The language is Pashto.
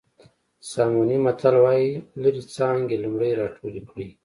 ساموني متل وایي لرې څانګې لومړی راټولې کړئ.